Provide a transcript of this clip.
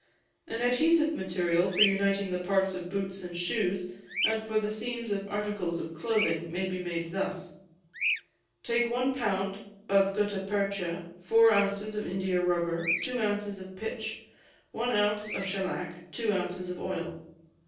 An adhesive material for uniting the parts of boots and shoes, and for the seams of articles of clothing, may be made thus: Take one pound of gutta percha, four ounces of India rubber, two ounces of pitch, one ounce of shellac, two ounces of oil.